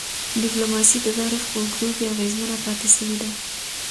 ډيپلوماسي د تاریخ په اوږدو کي اغېزمنه پاتې سوی ده.